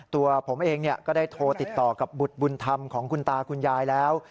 ตัวผมเองก็ได้โทรติดต่อกับบุตรบุญธรรมของคุณตาคุณยายแล้ว